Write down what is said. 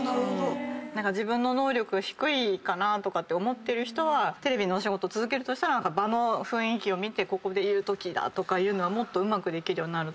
自分の能力低いかなとか思ってる人はテレビのお仕事続けるとしたら場の雰囲気を見てここで言うときだとかいうのはもっとうまくできるようになる。